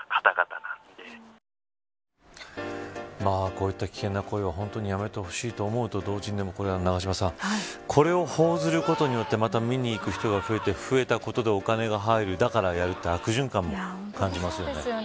こういった危険な行為は本当にやめてほしいと思うと同時にこれを報じることによって見に行く人が増えたことでお金が入る、だからやる悪循環もありますね。